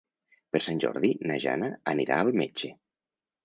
Per Sant Jordi na Jana anirà al metge.